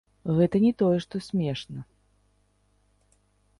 Гэта не тое што смешна.